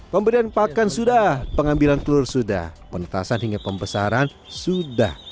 pemberian pakan sudah pengambilan telur sudah penetasan hingga pembesaran sudah